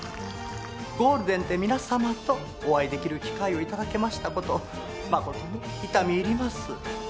ゴールデンで皆様とお会いできる機会を頂けましたことまことに痛み入ります。